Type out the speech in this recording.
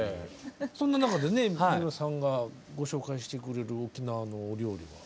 そんな中でね三浦さんがご紹介してくれる沖縄のお料理は。